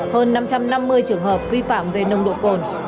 hơn năm trăm năm mươi trường hợp vi phạm về nồng độ cồn